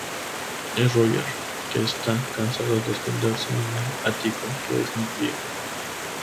Es Roger, que está cansado de esconderse en el ático, que es muy frío.